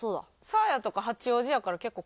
サーヤとか八王子やから結構帰れる？